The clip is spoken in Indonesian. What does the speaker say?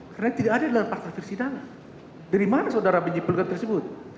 karena tidak ada dalam part trafisi dana dari mana saudara menjipulkan tersebut